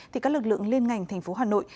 thì các lực lượng liên ngành thành phố hà nội